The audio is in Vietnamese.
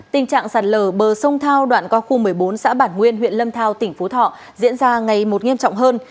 tình trạng sạt lở bờ sông thao đoạn co khu một mươi bốn xã bản nguyên huyện lâm thao tỉnh phú thọ diễn ra ngày một nghiêm trọng hơn